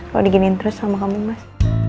kalau diginiin terus sama kamu mas